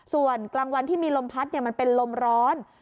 ส่วนกลางวันที่มีลมพัดมันเป็นลมร้อน